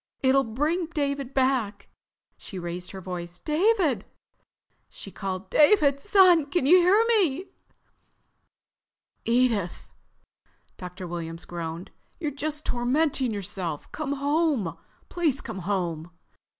It'll bring David back." She raised her voice. "David!" she called. "David, son! Can you hear me?" "Edith," Dr. Williams groaned. "You're just tormenting yourself. Come home. Please come home."